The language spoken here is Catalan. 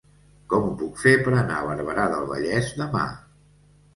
Com ho puc fer per anar a Barberà del Vallès demà?